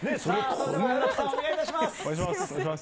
お願いいたします。